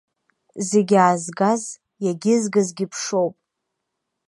Зегь аазгаз, иагьызгазгьы ԥшоуп.